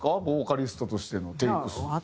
ボーカリストとしてのテイク数。